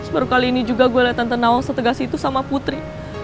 baru kali ini juga gua liat tante nawang setegah situ sama putri